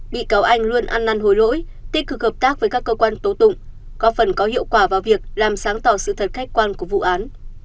bị cáo anh luôn ăn năn hối lỗi tích cực hợp tác với các cơ quan tố tụng góp phần có hiệu quả vào việc làm sáng tỏ sự thật khách quan của vụ án